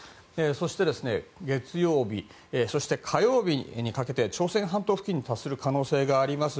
そして月曜日、火曜日にかけて朝鮮半島付近に達する可能性があります。